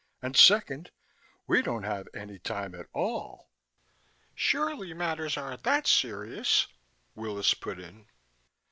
And, second, we don't have any time at all." "Surely matters aren't that serious," Willis put in.